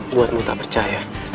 buatmu tak percaya